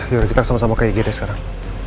yuk kita sama sama ke ig deh sekarang